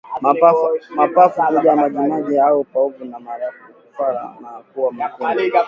Mapafu kujaa majimaji au povu na mara kufura na kuwa mekundu